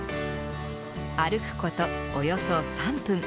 歩くことおよそ３分。